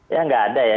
ya nggak ada ya